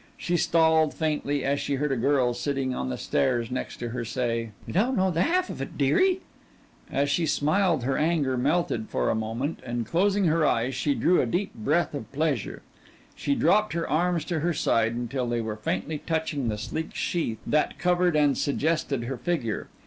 She stalled faintly as she heard a girl sitting on the stairs near her say: "You don't know the half of it, dearie!" And as she smiled her anger melted for a moment, and closing her eyes she drew in a deep breath of pleasure. She dropped her arms to her side until they were faintly touching the sleek sheath that covered and suggested her figure.